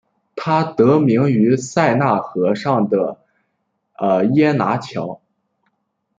它得名于塞纳河上的耶拿桥。